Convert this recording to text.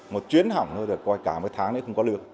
một chuyến hỏng thôi được coi cả mấy tháng nữa không có lược